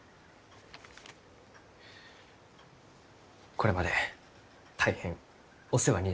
これまで大変お世話になりました。